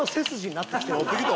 なってきたな。